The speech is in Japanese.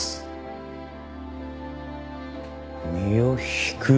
身を引く？